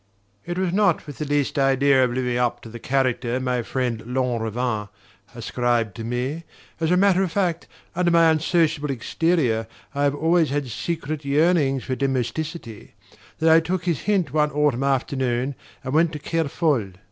It was not with the least idea of living up to the character my friend Lanrivain ascribed to me (as a matter of fact, under my unsociable exterior I have always had secret yearnings for domesticity) that I took his hint one autumn afternoon and went to Kerfol.